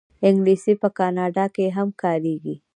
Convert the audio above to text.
انګلیسي په کاناډا کې هم کارېږي